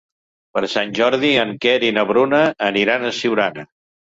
Per Sant Jordi en Quer i na Bruna aniran a Siurana.